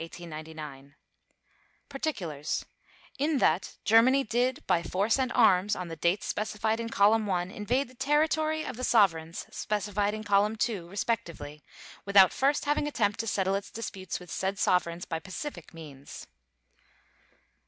_ PARTICULARS: In that Germany did, by force and arms, on the dates specified in Column 1, invade the territory of the Sovereigns specified in Column 2, respectively, without first having attempted to settle its disputes with said Sovereigns by pacific means.